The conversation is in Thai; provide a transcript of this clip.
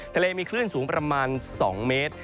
ทะเลมีคลื่นสูงประมาณ๒เมตร